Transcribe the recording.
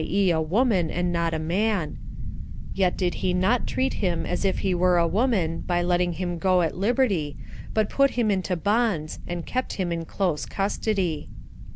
e. a woman, and not a man;] yet did he not treat him as if he were a woman, by letting him go at liberty, but put him into bonds, and kept him in close custody.